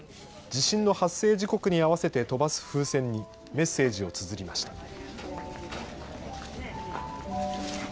地震の発生時刻に合わせて飛ばす風船に、メッセージをつづりました。